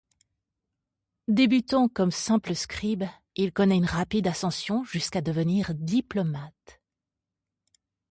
Débutant comme simple scribe, il connaît une rapide ascension jusqu'à devenir diplomate.